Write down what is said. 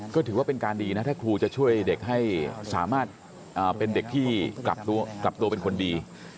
ก็ถือว่าเป็นการดีนะถ้าครูจะช่วยเด็กให้สามารถเป็นเด็กที่กลับตัวเป็นคนดี